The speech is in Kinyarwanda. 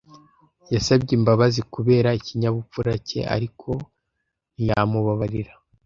Yasabye imbabazi kubera ikinyabupfura cye, ariko ntiyamubabarira.